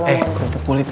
eh kerupuk kulit